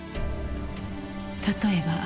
例えば。